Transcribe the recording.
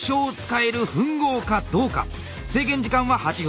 制限時間は８分。